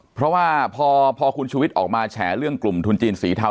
เพราะว่าพอคุณชุวิตออกมาแฉเรื่องกลุ่มทุนจีนสีเทา